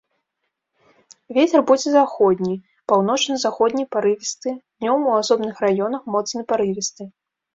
Вецер будзе заходні, паўночна-заходні парывісты, днём у асобных раёнах моцны парывісты.